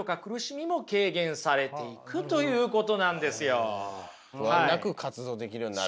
そうやって不安なく活動できるようになる？